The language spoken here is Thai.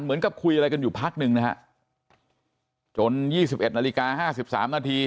เหมือนกับคุยอะไรกันอยู่พักหนึ่งนะฮะจนยี่สิบเอ็ดนาฬิกาห้าสิบสามนาที